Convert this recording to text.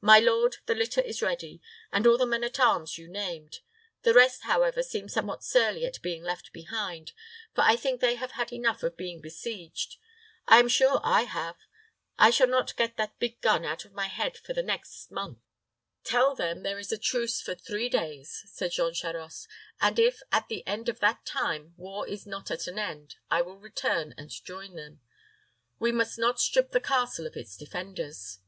My lord, the litter is ready, and all the men at arms you named. The rest, however, seem somewhat surly at being left behind; for I think they have had enough of being besieged. I am sure I have. I shall not get that big gun out of my head for the next month." "Tell them there is a truce for three days," said Jean Charost; "and if, at the end of that time, war is not at an end, I will return and join them. We must not strip the castle of its defenders."